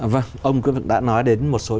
vâng ông đã nói đến một số